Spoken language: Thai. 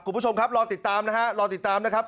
คุณผู้ชมครับรอติดตามนะครับ